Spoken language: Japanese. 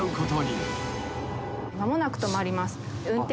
間もなく止まります。